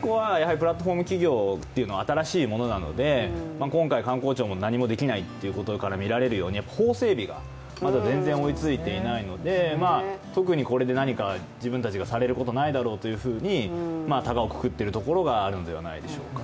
プラットフォーム、新しいものなので今回、観光庁も何もできないってことからみられるように法整備がまだ全然追いついていないので特にこれで何か自分たちがされることはないだろうとたかをくくっているところがあるのではないでしょうか。